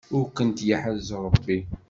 Ad kent-yeḥrez Ṛebbi.